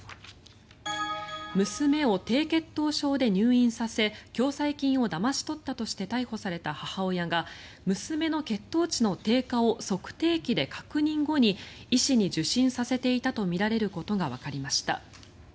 娘を低血糖症で入院させ共済金をだまし取ったとして逮捕された母親が娘の血糖値の低下を測定器で確認後に医師に受診させていたとみられることがわかりました。